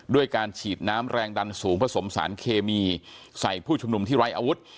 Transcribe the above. ด้วยการฉีดน้ำแรงดันสูงผสมสารเคมีใส่ผู้ชุมนุมที่ไร้อาวุธ